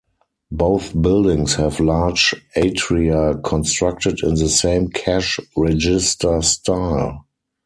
Both buildings have large atria constructed in the same cash register style.